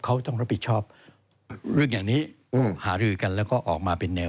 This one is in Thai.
เขาต้องรับผิดชอบเรื่องอย่างนี้หารือกันแล้วก็ออกมาเป็นแนว